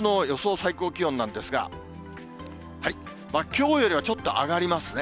最高気温なんですが、きょうよりはちょっと上がりますね。